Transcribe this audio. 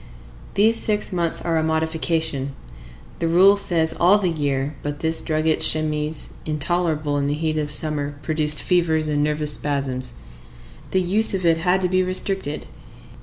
These six months are a modification: the rule says all the year, but this drugget chemise, intolerable in the heat of summer, produced fevers and nervous spasms. The use of it had to be restricted.